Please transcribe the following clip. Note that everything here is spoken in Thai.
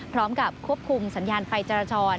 พร้อมกับควบคุมสัญญาณไฟจรจร